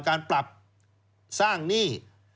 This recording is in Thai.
การปรับสร้างหนี้